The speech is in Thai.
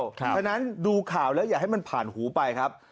เพราะฉะนั้นดูข่าวแล้วอย่าให้มันผ่านหูไปครับ